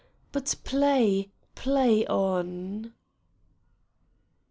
But play, play on.